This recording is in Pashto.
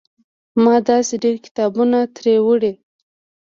ما داسې ډېر کتابونه ترې وړي.